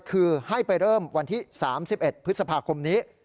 คือให้ไปเริ่มวันที่๓๑พฤษภาคมนี้